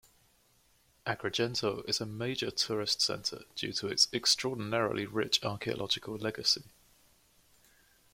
Agrigento is a major tourist centre due to its extraordinarily rich archaeological legacy.